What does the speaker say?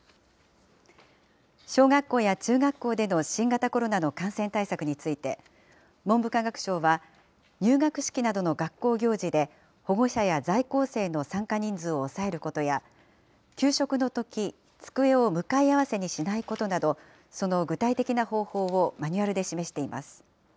小学校や中学校での新型コロナの感染対策について、文部科学省は、入学式などの学校行事で、保護者や在校生の参加人数を抑えることや、給食のとき、机を向かい合わせにしないことなど、その具体的な方法をマニュアルで示しています。